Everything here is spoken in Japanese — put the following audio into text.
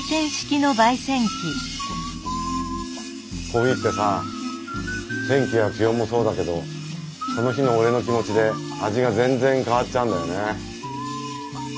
コーヒーってさ天気や気温もそうだけどその日の俺の気持ちで味が全然変わっちゃうんだよね。